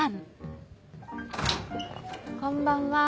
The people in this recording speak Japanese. こんばんは。